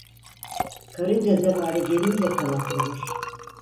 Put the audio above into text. Karınca zevali gelince kanatlanır.